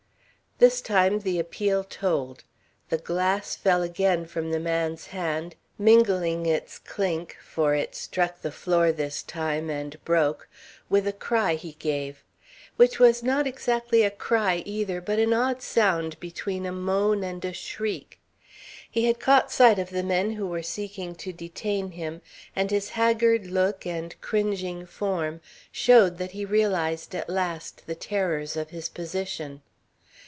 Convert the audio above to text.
This time the appeal told. The glass fell again from the man's hand, mingling its clink (for it struck the floor this time and broke) with the cry he gave which was not exactly a cry either, but an odd sound between a moan and a shriek. He had caught sight of the men who were seeking to detain him, and his haggard look and cringing form showed that he realized at last the terrors of his position.